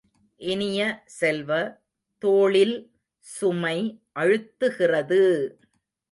இனிய செல்வ, தோளில் சுமை அழுத்துகிறது!